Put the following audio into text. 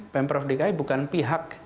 pemprov dki bukan pihak